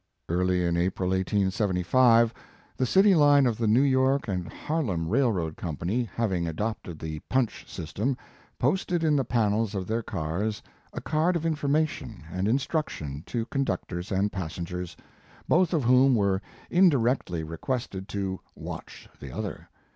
Early in April, 1875, the city line of the New York and Harlem railroad company having adoped the punch system, posted in the panels of their cars a card of information and in struction to conductors and passengers, both of whom were indirectly requested I2O Mark Twain to watch the other.